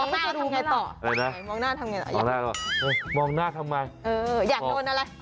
มองหน้าทำยังไงหรอมองหน้าทำยังไงหรออยากโดนอะไร